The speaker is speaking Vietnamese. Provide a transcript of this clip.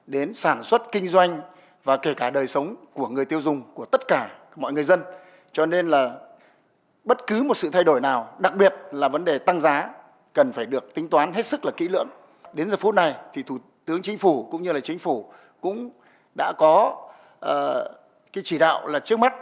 đến giờ phút này thì thủ tướng chính phủ cũng như là chính phủ cũng đã có cái chỉ đạo là trước mắt